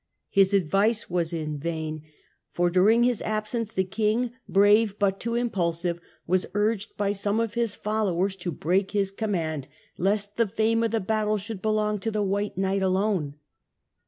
His advice was in vain, for during his absence the King, brave but too impulsive, was urged by some _ of his followers to break this command, lest the fame of the battle should belong to the " White Knight "alone.